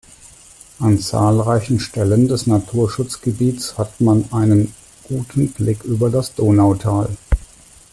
An zahlreichen Stellen des Naturschutzgebiets hat man einen guten Blick über das Donautal.